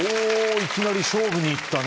いきなり勝負にいったね